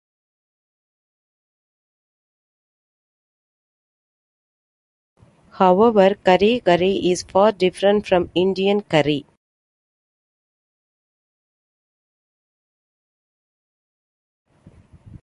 However, Kare-Kare is far different from Indian curry.